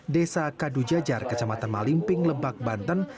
desa kadujajar kecamatan malimping lebak banten